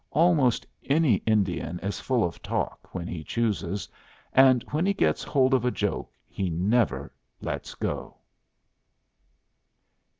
Almost any Indian is full of talk when he chooses, and when he gets hold of a joke he never lets go.